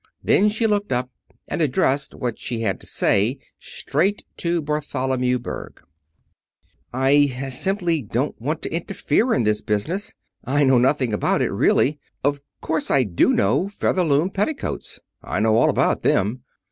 Then she looked up, and addressed what she had to say straight to Bartholomew Berg. "I simply didn't want to interfere in this business. I know nothing about it, really. Of course, I do know Featherloom petticoats. I know all about them.